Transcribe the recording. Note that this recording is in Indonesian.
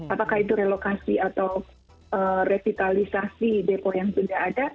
apakah itu relokasi atau revitalisasi depo yang sudah ada